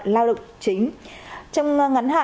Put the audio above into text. lao động chính trong ngắn hạn